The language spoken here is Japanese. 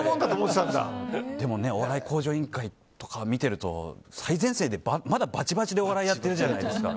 でも「お笑い向上委員会」とか見てると最前線でまだバチバチでお笑いやってるじゃないですか。